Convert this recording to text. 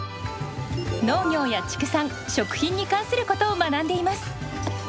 農業や畜産食品に関することを学んでいます。